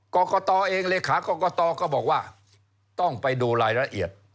กรกตเองเลขากรกตก็บอกว่าต้องไปดูรายละเอียด